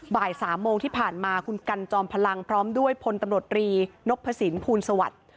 บ่าย๓โมงที่ผ่านมาคุณกันจอมพลังพร้อมด้วยพลตำรวจรีนพสินภูลสวัสดิ์